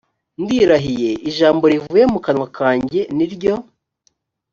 ndirahiye ijambo rivuye mu kanwa kanjye ni ryo